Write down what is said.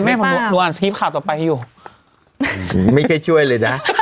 เห็นไหมเคยช่วยเลยนะ